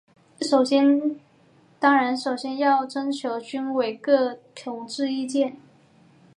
当然首先要征求军委各同志意见。